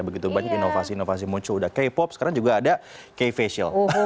begitu banyak inovasi inovasi muncul udah k pop sekarang juga ada k facial